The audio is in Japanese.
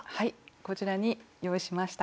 こちらに用意しました。